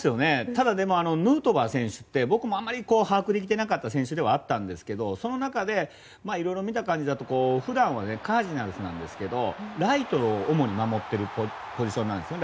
ただ、ヌートバー選手って僕もあまり把握できてなかった選手ではあったんですけどもその中で、いろいろ見た感じだと普段はカージナルスなんですけどライトを主に守っているポジションなんですね。